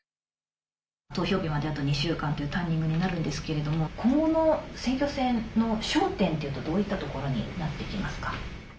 投票日まであと２週間というタイミングになるんですけど今後の選挙戦の焦点っていうとどういうところになってきますか？